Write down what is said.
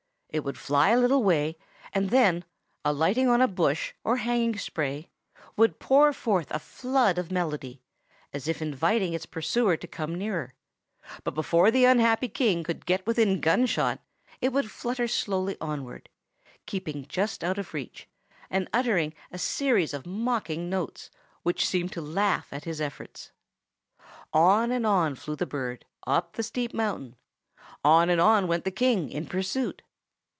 It would fly a little way, and then, alighting on a bush or hanging spray, would pour forth a flood of melody, as if inviting its pursuer to come nearer; but before the unhappy King could get within gunshot, it would flutter slowly onward, keeping just out of reach, and uttering a series of mocking notes, which seemed to laugh at his efforts. On and on flew the bird, up the steep mountain; on and on went the King in pursuit.